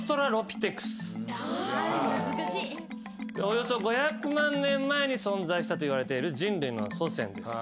およそ５００万年前に存在したといわれている人類の祖先です。